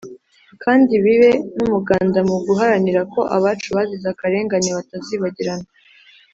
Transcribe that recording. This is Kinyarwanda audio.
kandi bibe n'umuganda mu guharanira ko abacu bazize akarengane batazibagirana